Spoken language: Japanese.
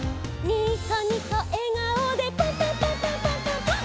「ニコニコえがおでパンパンパンパンパンパンパン！！」